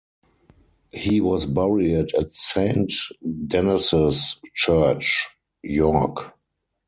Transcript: He was buried at Saint Denys's Church, York.